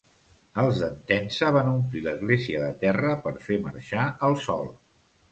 Els d'Entença van omplir l'església de terra per fer marxar el sol.